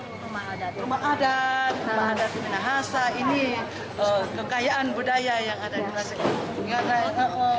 rumah adat rumah adat minahasa ini kekayaan budaya yang ada di minahasa